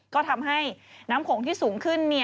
ก็ทำให้น้ำโขงที่สูงขึ้น